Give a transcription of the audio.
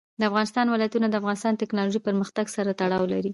د افغانستان ولايتونه د افغانستان د تکنالوژۍ پرمختګ سره تړاو لري.